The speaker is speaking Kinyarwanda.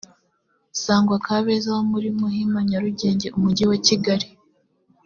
sangwa kabeza wo muri muhima nyarugenge umujyi wa kigali